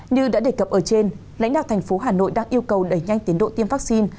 như đã đề cập ở trên lãnh đạo thành phố hà nội đang yêu cầu đẩy nhanh tiến độ tiêm vaccine